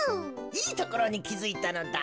いいところにきづいたのだ。